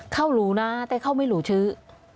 เขารู้นะแต่เขาไม่รู้ชื่อ